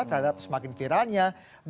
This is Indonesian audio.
terhadap semakin viralnya